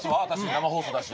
生放送だし。